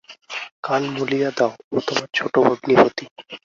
কান মলিয়া দাও, ও তোমার ছোটো ভগ্নীপতি।